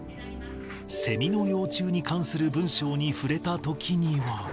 セミの幼虫に関する文章に触れたときには。